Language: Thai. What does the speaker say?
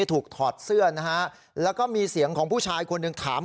ถอดเสื้อนะฮะแล้วก็มีเสียงของผู้ชายคนหนึ่งถาม